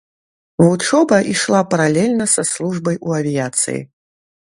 Вучоба ішла паралельна са службай у авіяцыі.